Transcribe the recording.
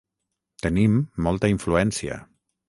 Tenim molta influència.